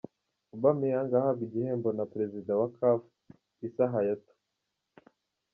Aubameyang ahabwa igihembo na President wa Caf Issa Hayatou